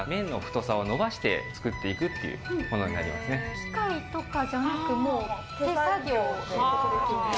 機械とかじゃなくて手作業ということですよね。